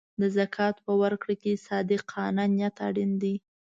د زکات په ورکړه کې صادقانه نیت اړین دی.